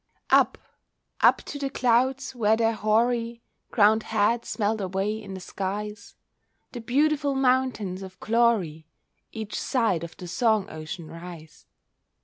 Up, up to the clouds where their hoary Crowned heads melt away in the skies, The beautiful mountains of glory Each side of the song ocean rise.